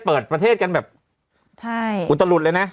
เปิดประเทศกันแบบอุตลุดเลยนะ